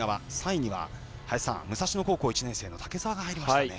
３位には武蔵野高校１年生の竹澤が入りましたね。